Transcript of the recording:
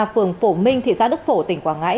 phường phổ minh thị xã đức phổ tỉnh quảng ngãi